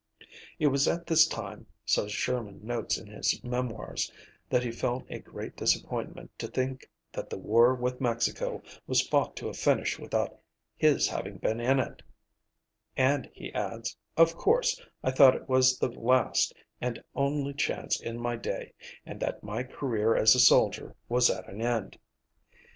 It was at this time, so Sherman notes in his "Memoirs," that he felt a great disappointment to think that the war with Mexico was fought to a finish without his having been "in it," and he adds, "of course, I thought it was the last and only chance in my day, and that my career as a soldier was at an end."